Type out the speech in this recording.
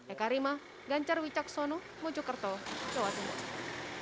eka rima ganjar wicaksono mujukerto jawa tenggara